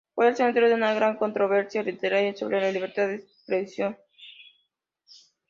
Fue el centro de una gran controversia literaria sobre la libertad de expresión.